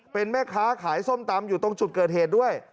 เป็นแม่ค้าขายส้มตำอยู่ตรงจุดเกิดเหตุด้วย